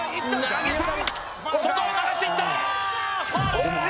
外へ流していった！